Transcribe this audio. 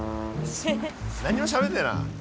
何にもしゃべんねえな。